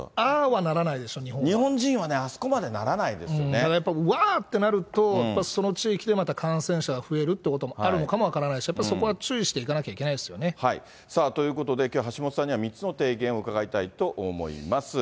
日本人はね、だからやっぱり、わーってなると、その地域でまた感染者が増えるってこともあるのかも分からないし、やっぱりそこは注意していかなきゃいけないですよね。ということで、きょうは橋下さんには３つの提言を伺いたいと思います。